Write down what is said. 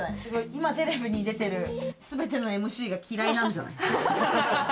今テレビに出てるすべてのＭＣが嫌いなんじゃない？